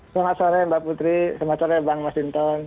selamat sore mbak putri selamat sore bang mas sinton